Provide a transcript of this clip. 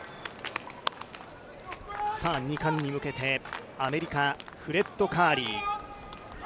２冠に向けて、アメリカ、フレッド・カーリー。